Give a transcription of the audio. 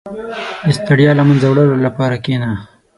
• د ستړیا له منځه وړلو لپاره کښېنه.